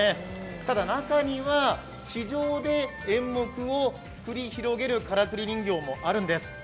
ただ、中には地上で演目を繰り広げるからくり人形もあるんです。